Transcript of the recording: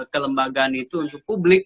kelembagaan itu untuk publik